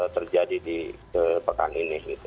terjadi di pekan ini